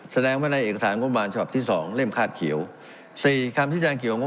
แสดงว่าในเอกสารงบประมาณฉบับที่สองเล่มคาดเขียวสี่คำที่แจ้งเกี่ยวงบ